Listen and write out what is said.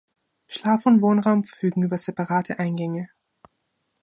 Schlaf- und Wohnraum verfügen über separate Eingänge.